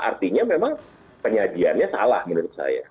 artinya memang penyajiannya salah menurut saya